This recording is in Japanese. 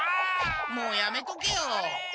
もうやめとけよ。